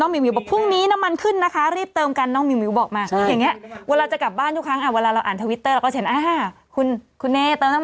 มันส่วนกันแต่มันก็ยังลงไม่เยอะไม่ใช่เหรอ๑๐๐กว่าบาท๒๐๐ใช่ไหม